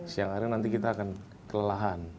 siang hari nanti kita akan kelelahan